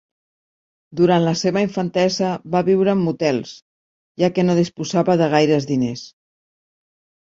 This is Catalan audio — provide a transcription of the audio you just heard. Durant la seva infantesa va viure en motels, ja que no disposava de gaires diners.